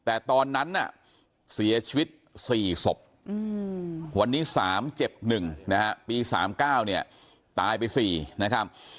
แต่ตอนนั้นเสียชีวิต๔ศพวันนี้๓เจ็บ๑ปี๓๙ตายไป๔นะครับ